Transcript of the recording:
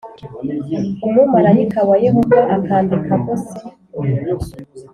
Umumarayika wa yehova akambika agose